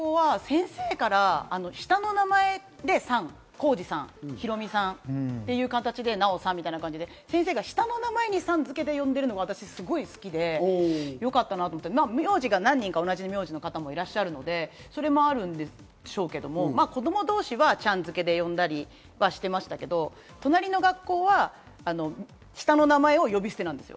うちの娘の学校は先生から下の名前でさん、浩次さん、ヒロミさんという形でナヲさんみたいな感じで、下の名前にさん付けで呼んでいるのはすごく好きで、よかったなと思って名字が何人か同じ方もいらっしゃるので、それもあるんでしょうけども、子供同士はちゃんづけで呼んだりしてましたけど、隣の学校は下の名前を呼び捨てです。